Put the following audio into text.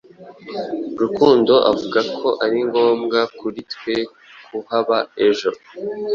Rukundo avuga ko ari ngombwa kuri twe kuhaba ejo.